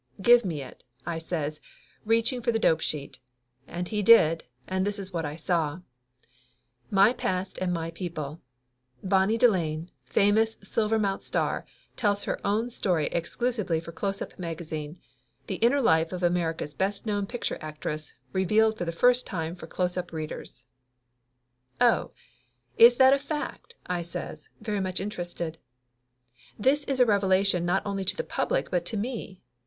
"Give me it," I says, reaching for the dope sheet; and he did, and this is what I saw : MY PAST AND MY PEOPLE Bonnie Delane, Famous Silvermount Star, tells her own story exclusively for Closeups Magazine. The inner life of America's best known picture actress revealed for the first time for Closeup readers. "Oh, is that a fact?" I says, very much interested. "This is a revelation not only to the public but to me.